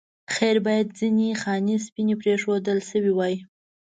خیر باید ځینې خانې سپینې پرېښودل شوې وای.